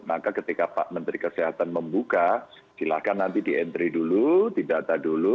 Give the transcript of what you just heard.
maka ketika pak menteri kesehatan membuka silakan nanti di entry dulu didata dulu